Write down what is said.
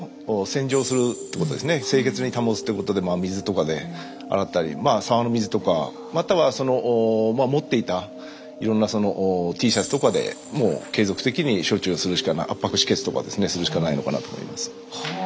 清潔に保つってことで真水とかで洗ったりまあ沢の水とかまたは持っていたいろんなＴシャツとかでもう継続的に処置をするしか圧迫止血とかですねするしかないのかなと思います。